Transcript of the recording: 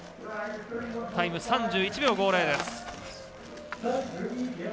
タイム、３１秒５０。